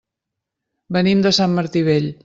Venim de Sant Martí Vell.